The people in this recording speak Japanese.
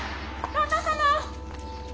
旦那様！